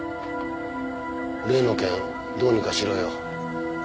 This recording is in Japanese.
例の件どうにかしろよ。